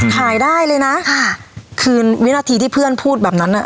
ใช่แล้วทำตามถูกต้อง